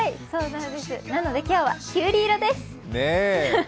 なので今日はきゅうり色です。